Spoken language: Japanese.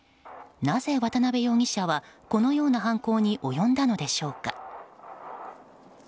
なぜ渡辺容疑者はこのような犯行に及んだのでしょうか？